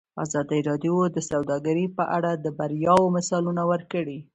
ازادي راډیو د سوداګري په اړه د بریاوو مثالونه ورکړي.